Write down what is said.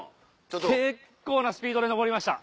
結構なスピードで登りました。